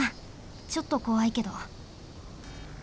ちょっとこわいけど。